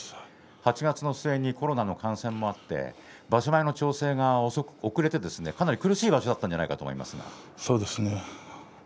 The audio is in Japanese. ８月の末にコロナの感染もあって、場所前の調整も遅れてかなり苦しい場所だったんじゃないですか。